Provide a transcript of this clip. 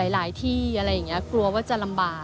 หลายที่อะไรอย่างนี้กลัวว่าจะลำบาก